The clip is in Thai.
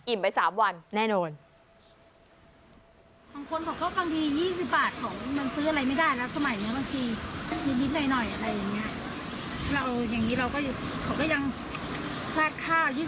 อิ่มไป๓วันแน่นอนอิ่มไป๓วันแน่นอน